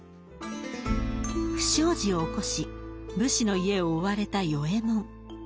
不祥事を起こし武士の家を追われた与右衛門。